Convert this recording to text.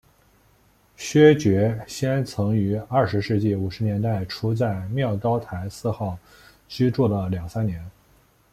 薛觉先曾于二十世纪五十年代初在妙高台四号居住了两三年。